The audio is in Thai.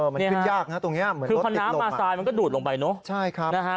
เป็นยากนะตรงนี้เหมือนรถลูกมาซายมันก็ดูดลงไปเนอะ